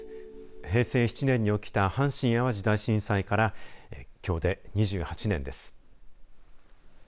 平成７年に起きた阪神・淡路大震災からきょうで２８年です。